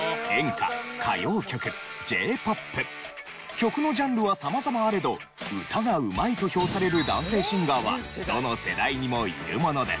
曲のジャンルは様々あれど歌がうまいと評される男性シンガーはどの世代にもいるものです。